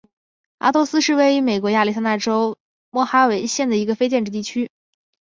阿陀斯是位于美国亚利桑那州莫哈维县的一个非建制地区。